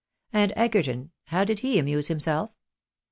And Egerton, how did he amuse himself?